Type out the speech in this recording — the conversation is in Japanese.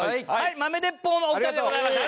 豆鉄砲のお二人でございました。